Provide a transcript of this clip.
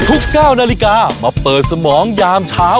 ทุกก้าวนาฬิกามาเปิดสมองยามเช้า